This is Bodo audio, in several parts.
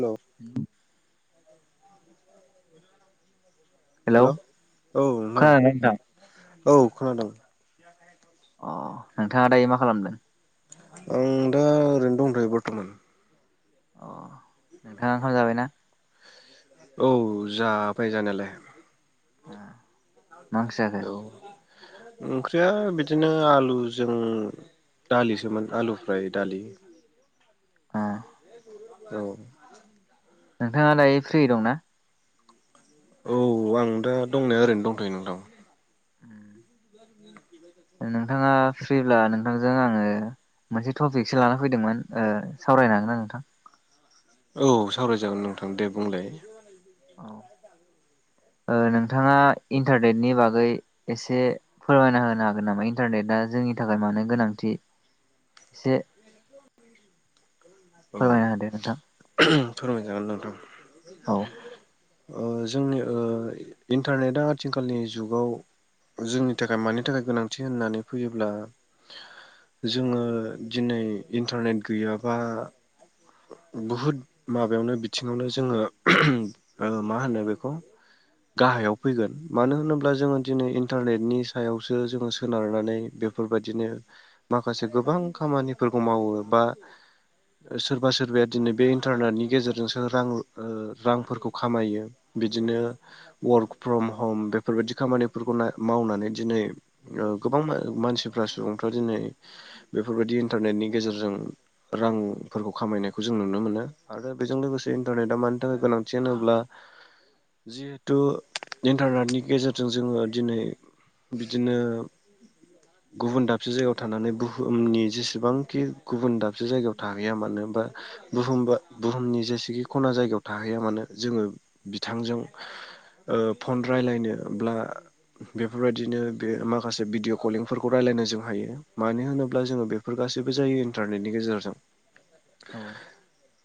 हेलौ हेलौ औ नोंथां खोनादोंना नोंथां औ खोनादोंं अ नोंथाङा दायो मा खालामदों आं दा ओरैनो दंथ'यो बर्थमान अ नोंथाङा खाम जाबायना औ जाबाय जानायालाय अ औ ओंख्रिया बिदिनो आलुजों दालिसोमोन आलु फ्राय दालि ओ औ नोंथाङा दायो फ्रि दंना औ आं दा दंनाया ओरैनो दंथ'यो नोंथां उम नोंथाङा फ्रिब्ला नोंथांजों आङो मोनसे टपिकसो लाना फैदोंमोन ओ सावरायनो हागोनना नोंथां औ सावराय जागोन नोंथां दे बुंलाय औ ओ नोंथाङा इन्टारनेटनि बागै एसे फोरमायना होनो हागोन नामा इन्टारनेटा जों नि थाखाय मानो गोनांथि एसे औ फोरमायना होदो नोंथां फोरमायजागोन नोंथां औ ओ जोंनि ओ इन्टारनेटआ आथिखालनि जुगाव जोंनि थाखाय मानि थाखाय गोनांथि होननानै फैयोब्ला जोङो दिनै इन्टारनेट गैयाबा [unintelligible] बुहुद माबायावनो बिथिङावनो जोङो मा होनो बेखौ गाहायाव फैगोन मानो होनोब्ला जोङो दिनै इन्टारनेटनि सायावसो जोङो सोनारनानै बे फोरबादिनो माखसे गोबां खामफोरखौ मावो बा सोरबा सोरबाया दिनै बे इन्टारनेटनि गेजेरजोंसो रां ओ रांफोरखौ खामायो बिदिनो- वार्क फ्रम हम बेफोरबायाददि खामानिफोरखौ मावनानै दिनै गोबां मानसिफ्रा सुबुंफ्रा दिनै बेफोरबायदि इन्टारनेटनि गेजेरजों रांफोरखौ खामायनायखौ जों नुनो मोनो आरो बेजों लोगोसे इन्टारनेटा मानि थाखाय औ गोनांथि होनोब्ला [inaudible] जिहेथु इन्टारनेटनि गेजेरजों जोङो दिनै- बिदिनो- गुबुन दाबसे जायगायाव थानानै बुहुमनि जेसेबांखि गुबुन दाबसे जायगायाव थाहैया मानो। बा बुुमा बुहुमनि जेसेखि खना जायगायाव थाहैया मानो जोङो बिथांजों फन रायलायनोब्ला बेफोरबायदिनो बे माखासे भिडिअ' कलिंफोरखौ रायलायनो जों हायो मानो होनोब्ला जोङो बेफोर ग गाससिबो जायो इन्टारनेटनि गेजेरजों [inaudible]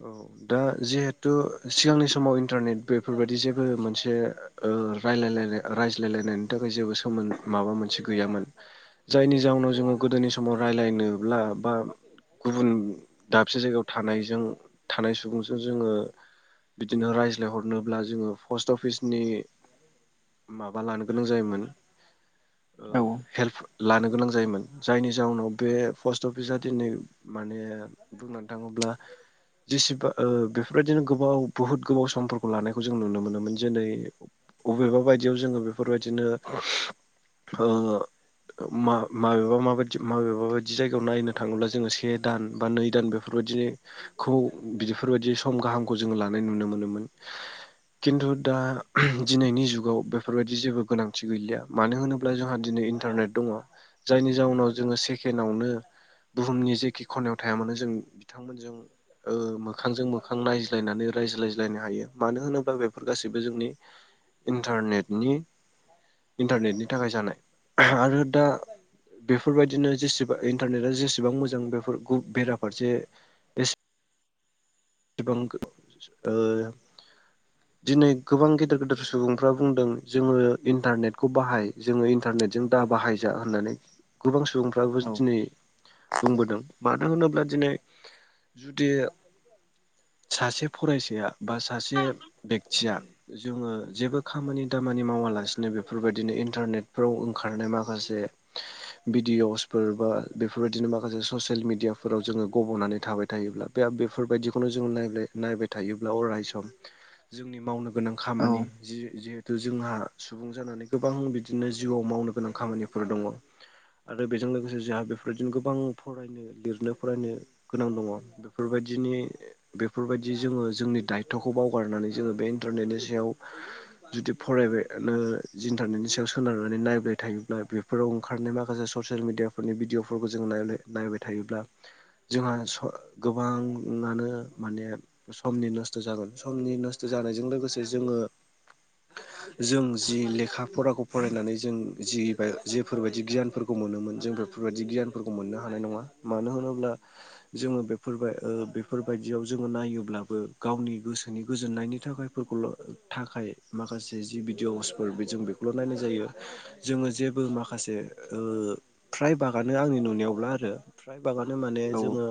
औ दा जिहेथु सिगांनि समाव इन्टारनेट बेफोरबायाददि जेबो मोनसे रायल रायज्लायलायनायनि थाखाय जेबो सोमोन माबा मोनसे गैयामोन। जायनि जाहनाव जोङो गोदोनि समाव राय्लायनोब्ला बा गुबुन दाबसे जायगायाव थानायजों थानाय सुबुंजों जोङो बिदिनो रायज्लायहरनोब्ला जोङो पस्ट अफिसनि माबा लानो गोनां जायोमोन औ हेल्प लानो गोनां जायोमोन जायनि जाउनाव बे पस्ट अफिसा दिनै माने बुं थाङोब्ला जेसेबा बेफोरबायदिनो गोबाव बुहुत गोबाव समफोरखौ लानायखौ जों नुनो मोनोमोन जेरै बबेबा बायदियाव जोङो बेफोरबायदिनो माबेबा माबायदि माबेबााबायदि जायगायाव नायनो थाङोब्ला जोङो से दान बा नै दान बे- बेफोरबायदिनोखौ बिदिफोरबायदि सम गाहामखौ जोङो लानाय नुनो मोनोमोन। खिन्थु दा दिनैनि जुगाव बेफोरबायदि जेबो गोनांथि गैलिया मानो होनोब्ला जोंहा दिनै इन्टारनेट दङ जायनि जउनाव जोङो सेकेणडआवनो- बुहुमनि जेखि खनायाव थाया मानो जों बिथांमोनजों मोखांजों मोखां नायज्लायनानै रायज्लायज्लायनो हायो मानो होनोबा बेफोर गासिबो जोंनि इन्टारनेटनि इन्टारनेटनि थाखाय जानाय आरो दा बेफोरबायदिनो जेसेबां इन्टारनेटआ जेसेबां मोजां बेफोर बेराफारसे इ ब दिनै गोबां गेदेर गेदेर सुबुंफ्रा बुंदों जोङो इन्टारनेटखौ बाहाय जोङो इन्टारने ों दा बाहायज होननानै गोबां सुबुंफ्राबो दिनै बुंबोदों मानो होनोब्ला दिनै जुदि सासे फरायसाया बा सासे बेक्तिया जोङो जेबो खामानि दामानि मावालासिनो बेफोरबायदिनो इन्टारनेटफ्राव ओंखारनाय माखासे [inaudible] भिदिअ'सफोर बा बेफोरबायदिनो माखासे ससियेल मिडियाफोराव जोङो गब'नानै थाबाय थायोब्ला बे बेफोरबायदि खौनो जो नाय नायबाय थायोब्ला अराय सम जोंनि मावनो गोनां औ खामानि-दामानिफोरखौ जोंहा सुबुं जानानै गोबां बिदिनो जिउआव मावनो गोनां खामानिफोर दङ। आरो बेजों लोगोसे जोंहा बेफोरदिनो गोबां फरायनो लिरनो फरायनो गोनां दङ बेफोरबायदि बिदिनि बेफोरबायदि जोङो जोंनि दायथ'खौ बावगारनानै जोङो बे इन्टारनेटनि सायाव जुदि फरायबानो इन्टारनेटनि सायाव सोनारनानै नायबाय थायोब्ला बेफोराव ओंखारनाय माखासे ससियेल मिडियाफोरनि भिडिअफोरखौ जोङो नाय नायबाय थायोब्ला जोंहा गोबाङानो माने समनि नस्थ जागोन समनि नस्थ जानायजों लोगोसे जोङो [inaudible] जों जि लेखा फराखौ फरायनानै जों जि जेफोरबायदि गियानफोरखौ मोनोमोन जों बे बेफोरबायदि गियानफोरखौ मोननो हानाय नङा मानो होनोब्ला जोङो बेफोरबाय बेफोर बायदियाव जोङो नायोब्लाबो गावनि गोसोनि गोजोननायनि थाखायफोरखौल थाखाय माखासे जि भिडिअसफोर बे जों बेखौल' नायनाय जायो जोङो जेबो माखासे फ्राय बागानो आंनि नुनायावब्ला आरो फ्राय बागानो माने औ जोङो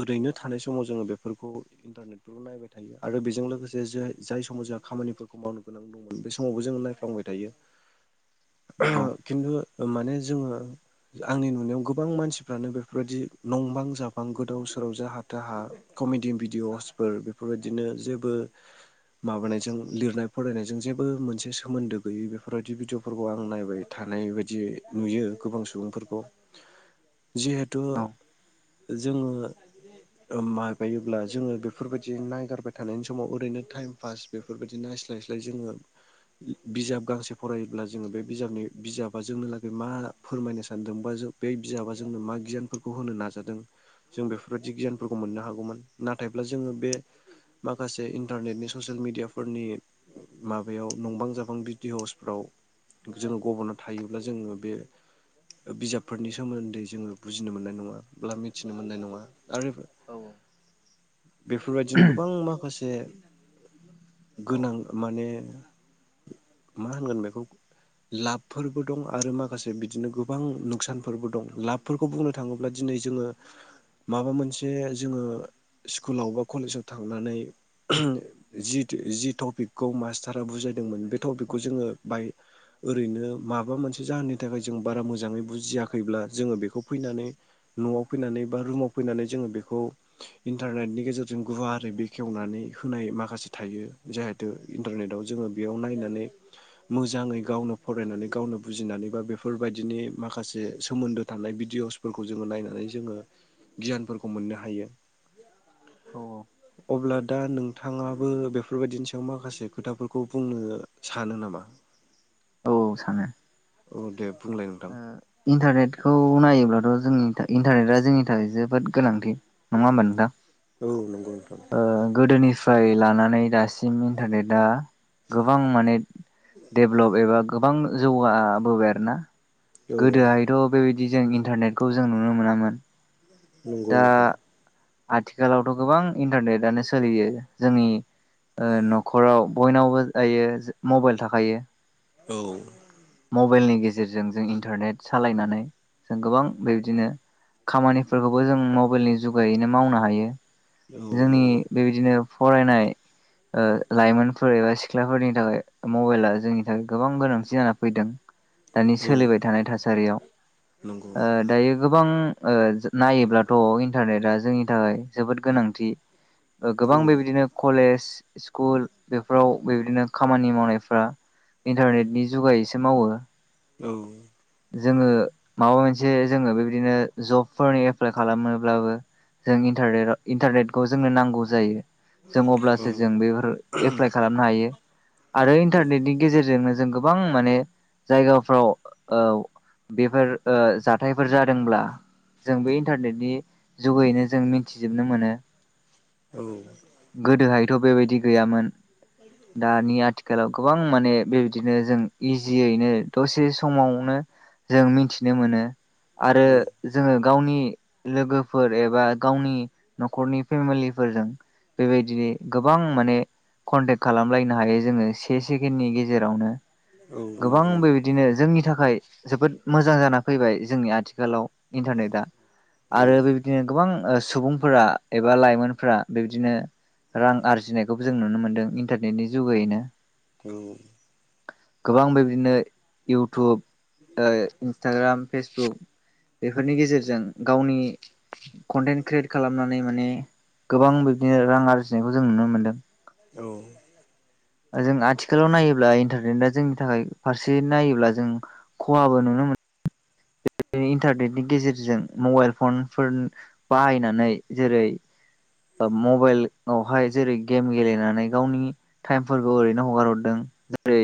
ओरैनो थानाय समाव जोङो बेफोरखौ इन्टारनेट फोर नायबाय थायो आरो बेजों लोगोसे ज जाय समाव जोंहा खामानिफोरखौ मावनो गोनां दंमोन बे समावबो जोङो नायफ्लांबाय थायो। [inaudible] नंगौ खिन्थु माने जोङो आंनि नुनायाव गोबां मानसिफ्रानो बेफोरबायदि नंबां जाबाय गो गोदाव सोराव जाहा थाहा कमेडि भिडिअसफोर बेफोरबायदिनो जेबो माबानायजों लिरनाय फरायनायजों जेबो मोनसे सोमोन्दो गैयि बेफोरबायदि भिडिअफोरखौ आं नायबाय थायो। थानाय बायदि नुयो गोबां सुबुंफोरखौ [inaudible] जिहेथु जोङो माबायोब्ला जोङो बेफोरबायदि नायगारबाय थानायनि समाव ओरैनो टाइम पास बेफोरबायदि नाय स्लाय स्लाय जोङो बिजाब गांसे फरायोब्ला जोङो बे बिजाबनि बिजाबा जोंनो थाखायगै मा फोरमायनो सानदोंबा जों बे बिजाबा जोंनो मा गियानफोरखौ होनो नाजादों जों बेफोरबायदि गियानफोरखौ मोननो हागौमोन नाथायब्ला जोङो बे माखासे इन्टारनेटनि ससियेल मिेडियाफोरनि माबायाव नंबां जाबां भिडिअसफ्राव जोङो गबना थायोब्ला जोङो बे बिजाबफोरनि सोमोन्दै जोङो बुजिनो मोननाय नङाब्ला मिथिनो मोननाय नङा आरो औ बेफोरबायदिनो औ गोबां माखासे औ गोनां माने मा होनगोन बेखौ लाभफोरबो दं आरो माखासे बिदिनो गोबां नुखसानफोरबो दं लाबफोरखौ बुंनो थाङोब्ला दिनै दिनै जोङो माबा मोनसे जोङो स्कुलाव बा कलेजाव थांनानै जि जि टपिकखौ मास्टारा बुजायदोंमोन बे थ बेखौ औ जोङो बाहाय ओरैनो माबा मोनसे जाहोननि थाखाय जों बारा मोजाङै बुजियाखैब्ला जोङो बेखौ फैनानै न'आव फैनानै बा रुमाव फैनानै जोङो बेखौ इन्टारनेटनि गेजेरजों गुवारै बेखेवनानै होनाय माखासे थायो जिहेथु इन्टारनेटआव जोङो बेयाव नायनानै मोजाङै गावनो फरायनानै गावनो बुजिनानै बा बेफोरबायदिनि माखासे सोमोन्दो थानाय बि भिदिअसफोरखौ जोङो नायनानै जोङो गियानफोरखौ मोननो हायो। औ अब्ला दा नोंथाङाबो बेफोरबायदिनि सायाव माखासे खोथाफोरखौ बुंनो सानो नामा [inaudible] औ औ सानो औ दे बुंलाय नोंथां इन्टारनेटखौ नायोब्लाथ जोंनि इन्टारनेटआ जोंनि थाखाय जोबोद गोनांथि नङा होमबा नोंथां औ नंगौ नोंथां ओ गोदोनिफ्राय लानानै दासिम सिम इन्टारनेट आ गोबां माने डेभलप एबा गोबां जौगाबोबाय आरोना औ गोदोहायथ बेबायदि बिदि जों इन्टारनेटखौ जों नुनो मोनामोन। नंगौ दा नोथां। आथिखालावथ' गोबां इन्टारनेटनो सोलियो जोंनि ओ नखराव बयनावबो दायो मबाइल थाखायो। औ मबाइलनि गेजेरजों जों इन्टारनेट सालायनानै जों गोबां बेबायदिनो खामानिफोरखौबो जों मबाइलनि जुगायैनो मावनो हायो। औ जोंनि नंगौ बेबायदिनो फरायनाय ओ लाइमोनफोर एबा सिख्लाफोरनि थाखाय मबाइला जोंनि थाखाय गोबां गोनांथि जाना फैदों, दानि औ सोलिबाय थानाय थासारियाव। नंगौ ओ नोंथां दायो गोबां ओ नायोब्लाथ' इन्टारनेटआ जोंनि थाखाय जोबोद गोनांथि गोबां औ बेबायदिनो कलेज स्कुल बेफोराव बेबायदिनो खामानि मावनायफ्रा इन्टारनेटनि जुगायैसो मावो। औ जोङो माबा मोनसे जोङो बेबायदिनो जबफोरनि एप्लाइ खालामोब्लाबो जों इन्टारनेटा जों औ अब्लासो जों बेफोर एप्लाइ खालामनो हायो आरो इन्टारनेटनि गेजेरजोंनो जों गोबां माने जायगाफ्राव औ बेफोर ओ जाथायफोर जादोंब्ला जों बे इन्टारनेटनि जुगैनो जों मिथिजोबनो मोनो। औ थ' बेबायदि गैयामोन दानि आथिखालाव गोबां माने बेबायदिनो जों इजियैनो दसे समावनो जों मिथिनो मोनो आरो औ जोङो गावनि लोगोफोर एबा गावनि न'खरनि फेमिलिफोरजों बेबायदिनो गोबां माने कन्टेक्ट खालामलायनो हायो जोङो से सेकेणडनि गेजेरावनो औ गोबां नंगौ नोंथां बेबायदिनो जोंनि थाखाय जोबोद मोजां जाना फैबाय जोंनि आथिखालाव इन्टारनेटआ। औ आरो बेबायदिनो गोबां ओ सुबुंफोरा एबा लाइमोनफोरा बेबायदिनो रां आरजिनायखौबो जों नुनो मोन्दों इन्टारनेटनि जुगैयैनो। औ गोबां बेबदिनो इउटुब ओ इन्सटाग्राम फेसबुक बेफोरनि गेजेरजों गावनि कन्टेन्ट क्रियेट खालामनानै माने गोबां बिबदिनो रां आरजिनायखौ जों नुनो मोन्दों। औ जों आथिखालाव नायोब्ला इन्टारनेटआ जोंनि थाखाय फारसे नायो ब्ला जों खहाबो नुनो मो इन्टारनेटनि गेजेरजों मबाइल फनफोर बाहायनानै जेरै ओ मबाइलवहाय जेरै गेम गेलेनानै गावनि टाइमफोरखौ ओरैनो हगार हरदों। ओेरै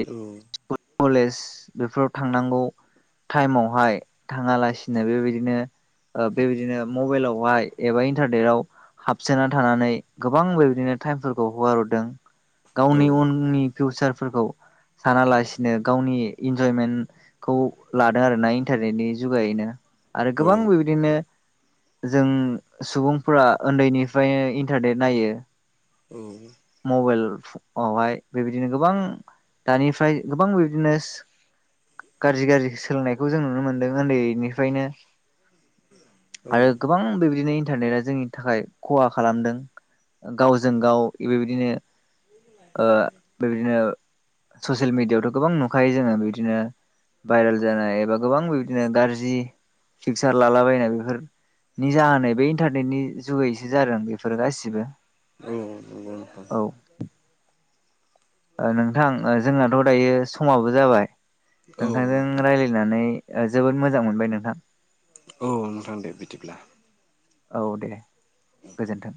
[inaudible] कलेज बेफोराव थांनांगौ टाइमावहाय नाङालासिनो बेबायदिनो बेबायदिनो मबाइलावहाय एबा इन्टारनेटाव हाबसोना थानानै गोबां बेबायदिनो टाइमफोरखौ हगाररदों। औ गावनि उननि फिउसारफोरखौ सानालासिनो गावनि इन्जयमेन्टखौ लादों आरोना इन्टारनेटनि जुगायनो। आरो औ गोबां औ बेबायदिनो जों सुबुंफोरा ओन्दैनिफ्रायनो इन्टारनेट नायो। औ मबाइल आवहाय बेबायदिनो गोबां दानिफ्राय गोबां बेदिनो गाज्रि गाज्रि सोलोंनायखौ जों नुनो मोन उन्दैनिफ्रायनो औ आरो गोबां बेबिदिनो इन्टारनेटआ जोंनि थाखाय खहा खालामदों गावजों गाव बे बेबायदिनो ओ बेबायदिनो ससियेल मिडियाआवथ' गोबां नुखायो जोङो बिदिनो भाइरेल जानाय एबा गोबां बि बिदिनो गाज्रि फिक्सार लालाबायनाय बेफोर नि जानाय बे इन्टारनेटनि जुगैसो जादों बेफोरो गासिबो। औ औ औ औ ओ नोंथां जोंनाथ दायो समाबो जाबाय औ नोंथांजों नोंथां राय्लायनानै ओ जोबोद मोजां मोनबाय नोंथां औ नोंथां दे बिदिब्ला औ दे गोजोन्थों